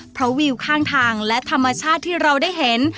เพราะวิวข้างทางและธรรมชาติที่เราได้เห็น